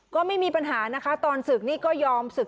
ก็ไม่มีปัญหานะคะตอนศึกนี่ก็ยอมศึก